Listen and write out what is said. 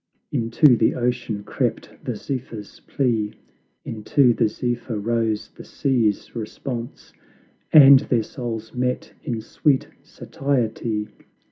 Into the ocean crept the zephyr's plea, Into the zephyr rose the sea's response, And their souls met in sweet satiety.